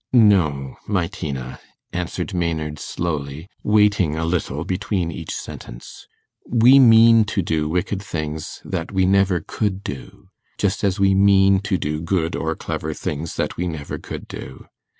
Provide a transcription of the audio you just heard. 'No, my Tina,' answered Maynard slowly, waiting a little between each sentence; 'we mean to do wicked things that we never could do, just as we mean to do good or clever things that we never could do.